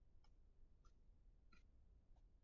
Breaking into other folks' houses!